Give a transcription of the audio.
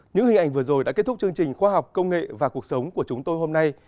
những hình ảnh vừa rồi đã kết thúc chương trình khoa học công nghệ và cuộc sống của chúng tôi hôm nay